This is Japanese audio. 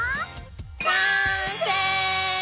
完成！